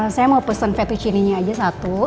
saya mau pesen fettuccine nya aja satu